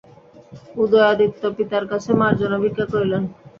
উদয়াদিত্য পিতার কাছে মার্জনা ভিক্ষা করিলেন।